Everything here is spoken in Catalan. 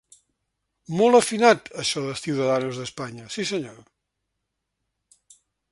Molt afinat això de "Ciudadanos de España", sí senyor!